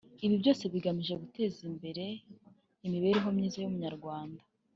Ibi byose bigamije guteza imbere imibereho myiza y’Umunyarwanda